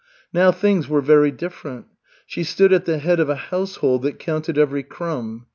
Now things were very different. She stood at the head of a household that counted every crumb.